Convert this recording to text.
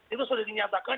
itu sudah dinyatakan